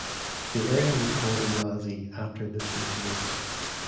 The area was called Umlazi after this incident.